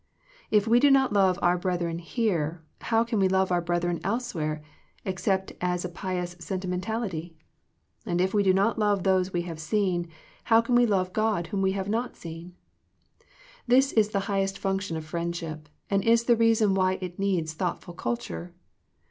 If we do not love our brethren here, how can we love our brethren elsewhere, except as a pious sentimentality ? And if we do not love those we have seen, how can we love God whom we have not seen ? This is the highest function of friend ship, and is the reason why it needs thoughtful culture.